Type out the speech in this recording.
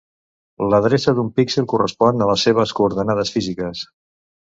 L'adreça d'un píxel correspon a les seves coordenades físiques.